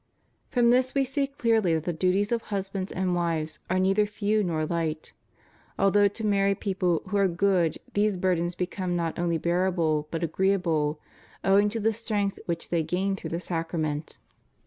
From this we see clearly that the duties of husbands and wives are neither few nor hght; although to married people who are good these burdens become not only bearable but agreeable, owing to the strength which they gain through the sacrament.